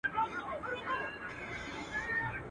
له لمبو يې تر آسمانه تلل دودونه.